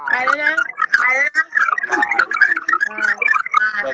จะมาหาอีกรอบ